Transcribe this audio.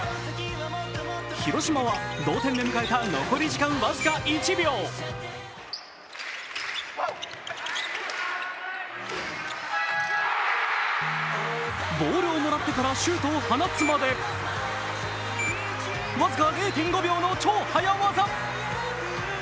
広島は同点で迎えた残り時間僅か１秒ボールをもらってからシュートを放つまでわずか０．５秒の超早業。